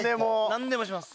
何でもします。